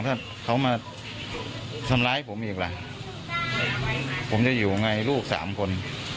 ถ้าเขามาทำร้ายผมอีกล่ะผมจะอยู่ยังไงลูกสามคน